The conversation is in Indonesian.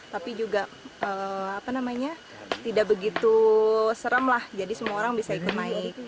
tapi juga tidak begitu serem lah jadi semua orang bisa ikut naik